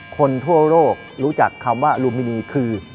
คนทั่วโลกรู้จักคำว่าลูมินีคือ